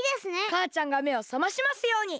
かあちゃんがめをさましますように！